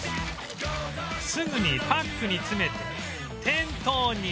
すぐにパックに詰めて店頭に